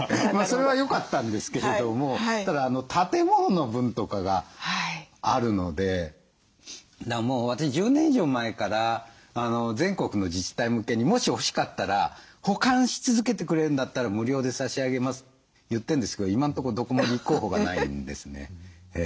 まあそれはよかったんですけれどもただ建物の分とかがあるのでもう私１０年以上前から全国の自治体向けに「もし欲しかったら保管し続けてくれるんだったら無料で差し上げます」って言ってんですけど今んとこどこも立候補がないんですね。